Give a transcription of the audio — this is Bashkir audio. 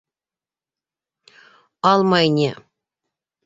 — Алмай ни!